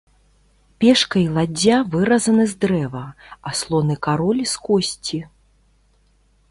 Пешка і ладдзя выразаны з дрэва, а слон і кароль з косці.